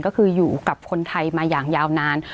ก็คืออยู่กับคนไทยมาอย่างยาวนาน